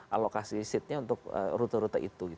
alokasi seatnya untuk rute rute itu